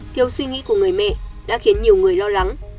thiếu suy nghĩ của người mẹ đã khiến nhiều người lo lắng